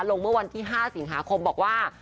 เมื่อวันที่๕สิงหาคมบอกว่า